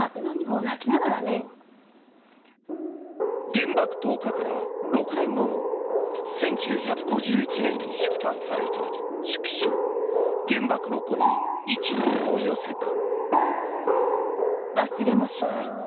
原爆投下から６年後の１９５１年に出版された手記集「原爆の子」に一文を寄せた。